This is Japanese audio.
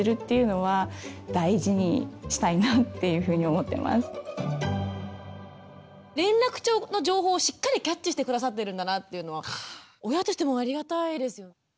やっぱりその連絡帳の情報をしっかりキャッチして下さってるんだなっていうのは親としてもありがたいですよね。